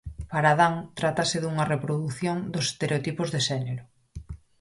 Para Adán trátase dunha reprodución dos estereotipos de xénero.